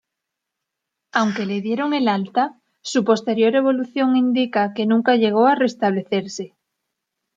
Aunque le dieron el alta, su posterior evolución indica que nunca llegó a restablecerse.